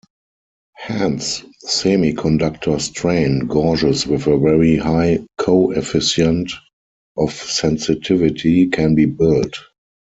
Hence, semiconductor strain gauges with a very high coefficient of sensitivity can be built.